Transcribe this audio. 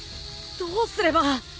どうすれば。